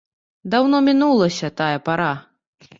Даўно мінулася тая пара.